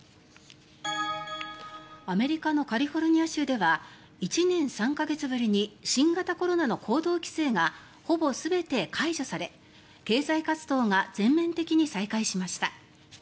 アメリカのカリフォルニア州では１年３か月ぶりに新型コロナの行動規制がほぼ全て解除され、経済活動が全面的に再開しました。